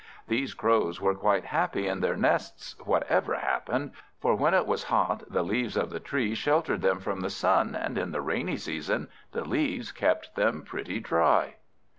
These Crows were quite happy in their nests, whatever happened; for when it was hot, the leaves of the trees sheltered them from the sun, and in the rainy season the leaves kept them pretty dry.